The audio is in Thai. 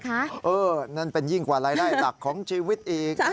อย่างนั้นเป็นยิ่งหลายละยายศักดิ์ของชีวิตอีก